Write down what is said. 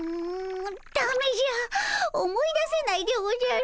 だめじゃ思い出せないでおじゃる。